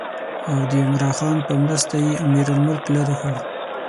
او د عمرا خان په مرسته یې امیرالملک لرې کړ.